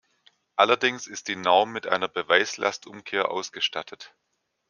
Allerdings ist die Norm mit einer Beweislastumkehr ausgestattet.